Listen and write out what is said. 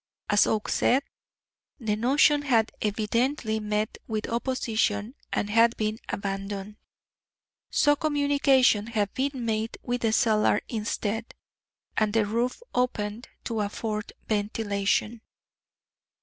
As Oakes said, the notion had evidently met with opposition and been abandoned, so communication had been made with the cellar instead, and the roof opened to afford ventilation.